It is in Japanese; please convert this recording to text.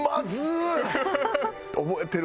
覚えてる。